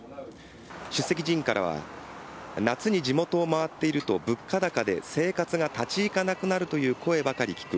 出席議員からは、夏に地元を回っていると、物価高で生活が立ち行かなくなるという声ばかり聞く。